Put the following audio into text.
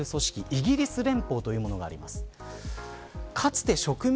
イギリス連邦というものがあります。